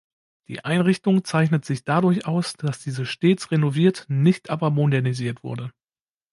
Die Einrichtung zeichnet sich dadurch aus, dass diese stets renoviert, nicht aber modernisiert wurde.